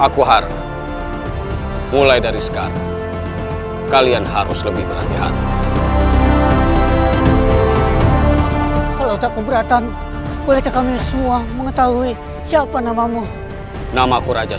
kalau ayah anda pergi begitu saja